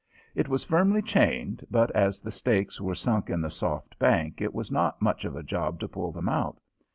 It was firmly chained, but as the stakes were sunk in the soft bank it was not much of a job to pull them out.